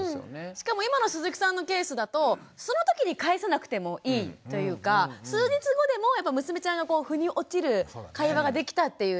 しかも今の鈴木さんのケースだとそのときに返さなくてもいいというか数日後でもやっぱ娘ちゃんがふに落ちる会話ができたっていうね